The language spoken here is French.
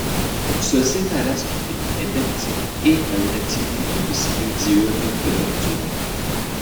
Ce Cephalaspidé est benthique et a une activité tout aussi bien diurne que nocturne.